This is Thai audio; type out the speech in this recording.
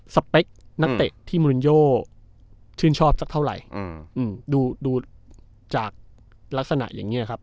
สเปคนักเตะที่มูลินโยชื่นชอบสักเท่าไหร่อืมดูดูจากลักษณะอย่างเงี้ยครับ